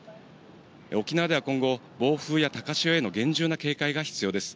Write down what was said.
沖縄では今後、暴風や高潮への厳重な警戒が必要です。